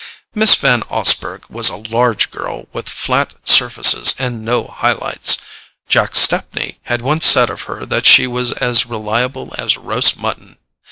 Miss Van Osburgh was a large girl with flat surfaces and no high lights: Jack Stepney had once said of her that she was as reliable as roast mutton.